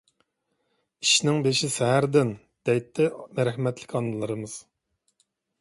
«ئىشنىڭ بېشى سەھەردىن» دەيتتى رەھمەتلىك ئانىلىرىمىز.